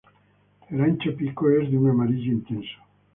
El ancho pico es de un amarillo intenso.